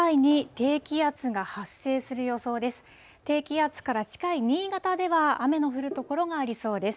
低気圧から近い新潟では、雨の降る所がありそうです。